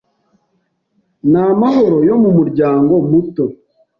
n’amahoro yo mu muryango muto